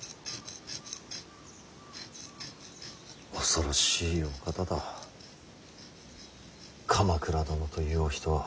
恐ろしいお方だ鎌倉殿というお人は。